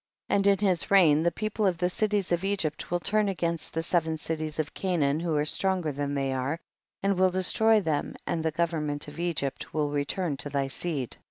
20. And in his reign the people of the cities of Egypt will turn against the seven cities of Canaan who are stronger than they are, and will de stroy them, and the government of Egypt will return to thy seed.